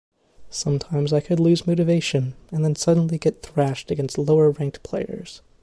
Sometimes I could lose motivation and then suddenly get thrashed against lower ranked players.